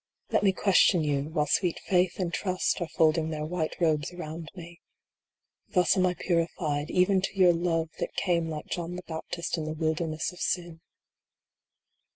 Let me question you, while sweet Faith and Trust are folding their white robes around me. Thus am I purified, even to your love, that came like John the Baptist in the Wilderness of Sin.